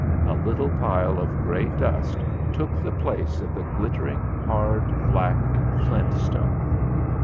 a little pile of grey dust took the place of the glittering, hard, black, flint stone.